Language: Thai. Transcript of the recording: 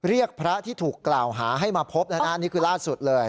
เรียกพระที่ถูกกล่าวหาให้มาพบนะฮะนี่คือล่าสุดเลย